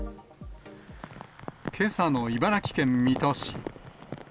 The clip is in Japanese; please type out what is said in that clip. けさの茨城県水戸市。